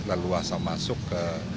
leluasa masuk ke